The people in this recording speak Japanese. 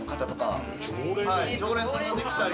はい常連さんができたり。